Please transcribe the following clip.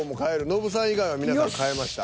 ノブさん以外は皆さん変えました。